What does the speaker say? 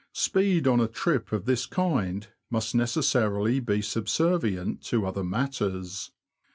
Speed on a trip of this kind must necessarily be subservient to other matters.